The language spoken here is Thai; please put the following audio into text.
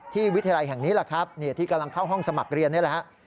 วิทยาลัยแห่งนี้แหละครับที่กำลังเข้าห้องสมัครเรียนนี่แหละฮะ